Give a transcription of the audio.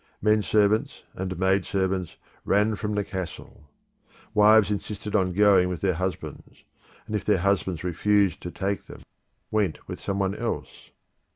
Men servants and maid servants ran from the castle. Wives insisted upon going with their husbands, and if their husbands refused to take them, went with some one else.